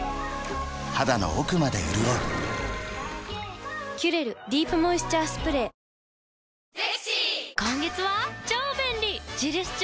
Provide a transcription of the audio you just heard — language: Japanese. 肌の奥まで潤う「キュレルディープモイスチャースプレー」あっつ。